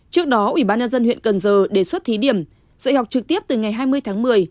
trước đó ủy ban nhân dân huyện cần giờ đề xuất thí điểm dạy học trực tiếp từ ngày hai mươi tháng một mươi